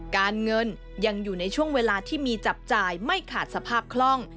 การเงินยังอยู่ในช่วงเวลาที่มีจับจ่ายไม่ขาดสภาพคล่อง